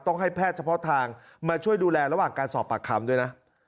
ต้องให้แพทย์เฉพาะทางมาช่วยดูแลระหว่างการสอบปากคำด้วยนะ